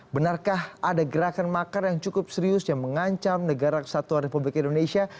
benarkah ada gerakan makar yang cukup serius yang mengancam negara kesatuan republik indonesia